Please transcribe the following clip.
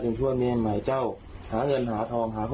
นั่นไงด้านหลัง